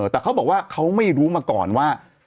แต่เขาบอกว่าเขาไม่รู้มาก่อนว่า